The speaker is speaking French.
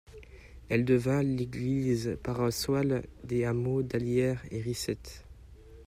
Elle devint l'église paroissiale des hameaux d'Allières et Risset.